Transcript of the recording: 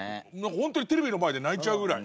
本当にテレビの前で泣いちゃうぐらい。